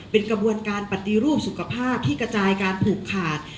เป็นกระบวนการปฏิรูปสุขภาพที่กระจายการผูกขาด